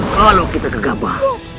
kalau kita kegabah